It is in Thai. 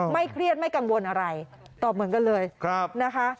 เครียดไม่กังวลอะไรตอบเหมือนกันเลยนะคะ